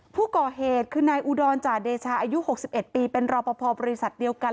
ผู้ก่อเหตุคือนายอุดรจาเดชาอายุ๖๑ปีเป็นรอปภบริษัทเดียวกัน